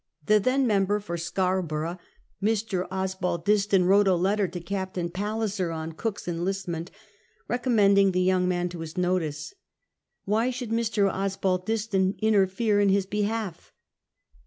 The then member for Scarborough, Mr. Osbaldiston, Aviote a letter to Ca])t>iiiit Palliscr on Cook's enlistment, recommending the young man to his notice. Why should Mr. Osbaldiston interfere in his behalf?